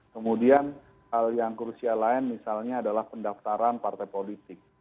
kemudian hal yang krusial lain misalnya adalah pendaftaran partai politik